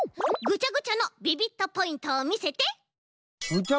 ぐちゃぐちゃのビビットポイント？